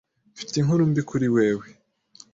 Mfite inkuru mbi kuri wewe.